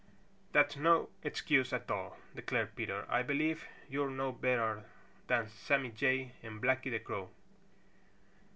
"That's no excuse at all," declared Peter. "I believe you're no better than Sammy Jay and Blacky the Crow."